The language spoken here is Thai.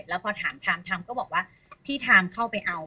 แล้วพอถามทามทามก็บอกว่าที่ทามเข้าไปเอา